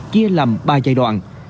chia làm ba giai đoạn